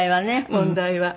問題は。